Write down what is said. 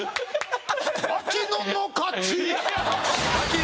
槙野の勝ち！